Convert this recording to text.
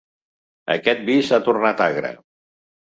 Aquest vi s'ha tornat agre.